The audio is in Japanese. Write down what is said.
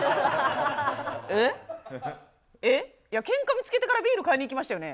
いや、けんか見つけてからビール買いに行きましたよね？